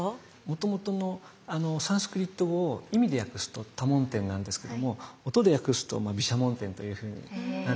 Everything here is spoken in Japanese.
もともとのサンスクリット語を意味で訳すと多聞天なんですけども音で訳すと毘沙門天というふうになるんですね。